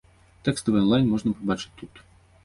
Тэкставы анлайн можна пабачыць тут.